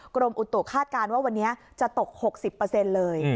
กรมอุตุคาดการณ์ว่าวันนี้จะตก๖๐เลย